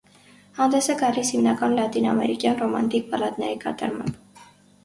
Հանդես է գալիս հիմնականում լատինաամերիկյան ռոմանտիկ բալլադների կատարմաբ։